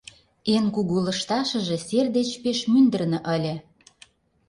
Эн кугу лышташыже сер деч пеш мӱндырнӧ ыле.